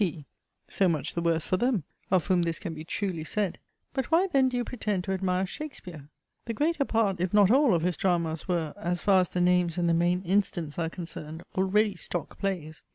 P. So much the worse for them, of whom this can be truly said! But why then do you pretend to admire Shakespeare? The greater part, if not all, of his dramas were, as far as the names and the main incidents are concerned, already stock plays.